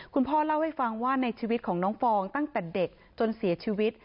คุณพ่อเล่าให้ฟังว่าในชีวิตของน้องฟองตั้งแต่เด็กจนเสียชีวิต